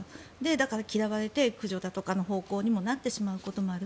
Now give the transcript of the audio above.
だから、嫌われて駆除だとかの方向になってしまうこともある。